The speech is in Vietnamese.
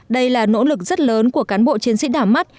đây là nỗ lực rất lớn của cán bộ chiến sĩ đảo mắt